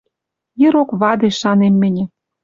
Ирок-вадеш шанем мӹньӹ